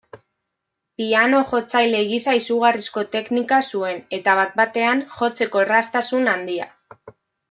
Piano-jotzaile gisa izugarrizko teknika zuen, eta bat-batean jotzeko erraztasun handia.